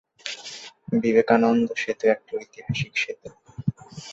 বিবেকানন্দ সেতু একটি ঐতিহাসিক সেতু।